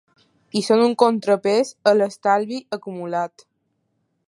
I són un contrapès a l’estalvi acumulat.